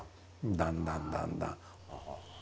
だんだんだんだん。